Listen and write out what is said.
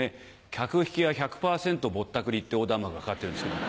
「客引きは１００％ぼったくり」って横断幕がかかってるんですけど。